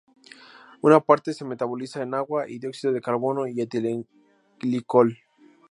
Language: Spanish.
Una parte se metaboliza a agua y dióxido de carbono y etilenglicol.